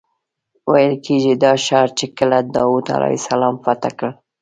ویل کېږي دا ښار چې کله داود علیه السلام فتح کړ.